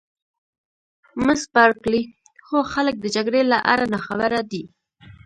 مس بارکلي: هو خلک د جګړې له آره ناخبره دي.